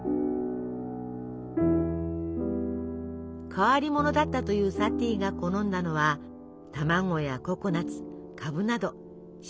変わり者だったというサティが好んだのは卵やココナツカブなど白い食べ物。